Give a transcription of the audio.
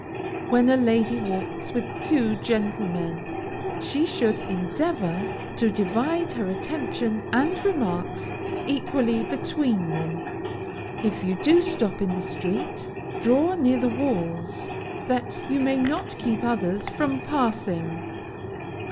When a lady walks with two gentlemen, she should endeavor to divide her attention and remarks equally between them. If you do stop in the street, draw near the walls, that you may not keep others from passing.